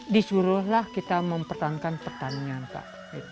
disuruhlah kita mempertahankan pertanian pak